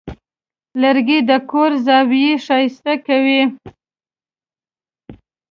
لرګی د کور زاویې ښایسته کوي.